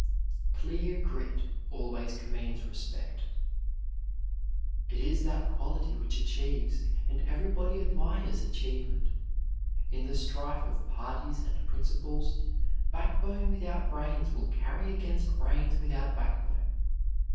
"Clear grit" always commands respect. It is that quality which achieves, and everybody admires achievement. In the strife of parties and principles, backbone without brains will carry against brains without backbone.